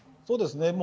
そうですね。